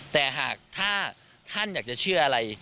แต่หากถ้าท่านอยากจะเชื่ออะไร